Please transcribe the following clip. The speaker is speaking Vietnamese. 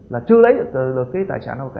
là chưa lấy được cái tài sản nào cả